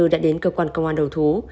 đã đến cơ quan công an đầu thú